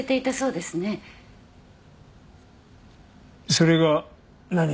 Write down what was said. それが何か？